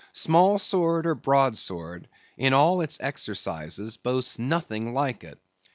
Small sword, or broad sword, in all its exercises boasts nothing like it.